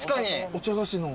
お茶菓子の。